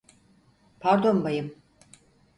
Pardon bayım.